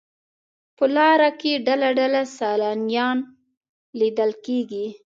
په لاره کې ډله ډله سیلانیان لیدل کېږي.